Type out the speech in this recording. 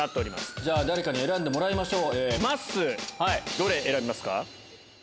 じゃあ誰かに選んでもらいましょう。